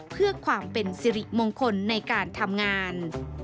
เพื่อความเป็นสิริมงคลในการทำงาน